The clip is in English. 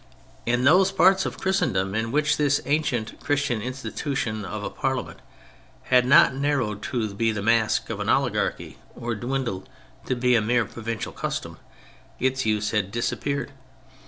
In those parts of Christendom in which this ancient Christian institution of a parliament had not narrowed to be the mask of an oli garchy or dwindled to be a mere provincial custom, its use had disappeared.